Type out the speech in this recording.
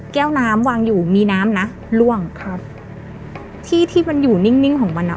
แก้วน้ำวางอยู่มีน้ำนะล่วงครับที่ที่มันอยู่นิ่งนิ่งของมันอ่ะ